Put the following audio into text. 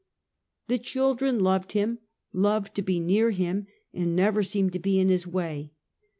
The children loved him, loved to be near him, and never seemed to be in his way.